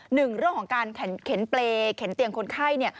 หนึ่งเรื่องของการเข็นเปรย์เข็นเตียงคนไข้เนี่ย